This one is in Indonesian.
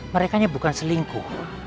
merekanya bukan selingkuh